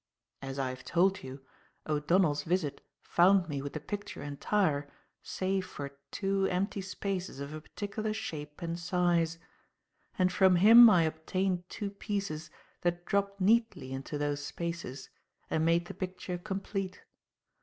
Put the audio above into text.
As I have told you, O'Donnell's visit found me with the picture entire save for two empty spaces of a particular shape and size; and from him I obtained two pieces that dropped neatly into those spaces and made the picture complete.